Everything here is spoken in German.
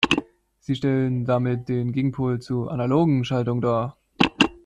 Sie stellen damit den Gegenpol zu analogen Schaltungen dar.